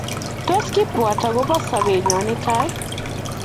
tos kiibwat akobo sobeng'ung' nebo tai?